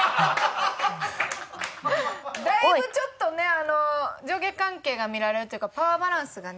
だいぶちょっとね上下関係が見られるというかパワーバランスがね。